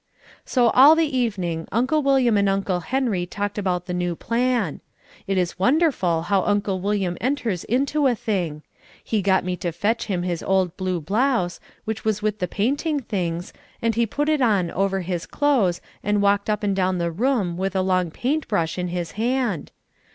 So all the evening Uncle William and Uncle Henry talked about the new plan. It is wonderful how Uncle William enters into a thing. He got me to fetch him his old blue blouse, which was with the painting things, and he put it on over his clothes and walked up and down the room with a long paint brush in his hand.